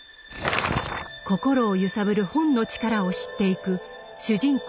心を揺さぶる本の力を知っていく主人公